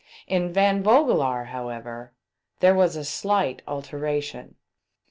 In Van Vogelaar, how ever, there was a slight alteration.